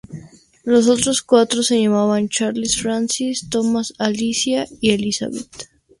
Los otros cuatro se llamaban: Charles Francis, Thomas, Alicia y Elizabeth.